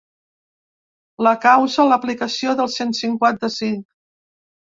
La causa: l’aplicació del cent cinquanta-cinc.